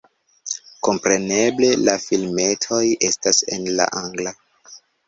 Kompreneble la filmetoj estas en la angla.